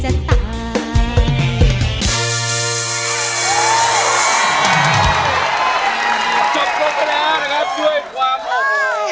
จบเพราะเวรานะครับด้วยความโอ้โห